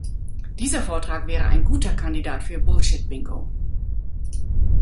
Dieser Vortrag wäre ein guter Kandidat für Bullshitbingo!